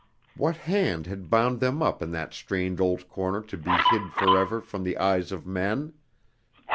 What hand had bound them up in that strange old corner to be hid forever from the eyes of men?